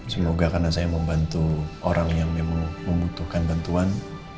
semoga karena saya membantu orang yang memang membutuhkan bantuan